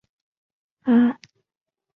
阿拉套棘豆为豆科棘豆属下的一个种。